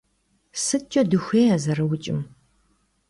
СыткӀэ дыхуей а зэрыукӀым?